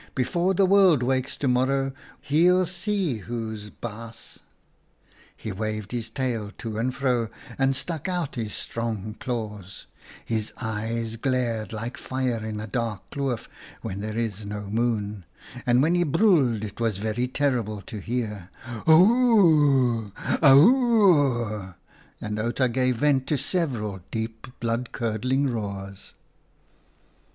' Be fore the world wakes to morrow he'll see who's baas.' " He waved his tail to and fro and stuck out his strong claws. His eyes glared like fire in a dark kloof when there is no moon, and when he brulled it was very terrible to JAKHALS FED OOM LEEUW 19 hear — hoor r r r r, hoor r r r r," and Outa gave vent to several deep, blood curdling roars.